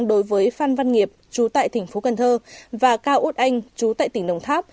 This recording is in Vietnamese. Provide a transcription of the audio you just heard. đối với phan văn nghiệp trú tại tỉnh phú cần thơ và cao út anh trú tại tỉnh đồng tháp